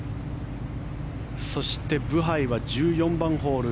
そしてブハイは１４番ホール。